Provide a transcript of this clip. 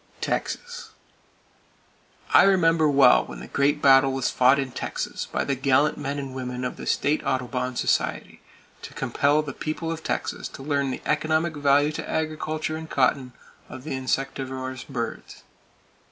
Texas: I remember well when the great battle was fought in Texas by the gallant men and women of the State Audubon Society, to compel the people of Texas to learn the economic value to agriculture and cotton of the insectivorous birds.